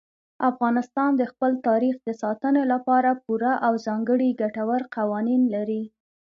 افغانستان د خپل تاریخ د ساتنې لپاره پوره او ځانګړي ګټور قوانین لري.